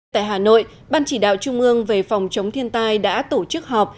tại hà nội ban chỉ đạo trung ương về phòng chống thiên tai đã tổ chức họp